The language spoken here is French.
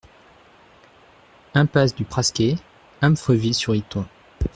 Impasse du Prasquer, Amfreville-sur-Iton